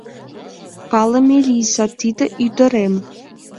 — Палыме лийза, тиде ӱдырем.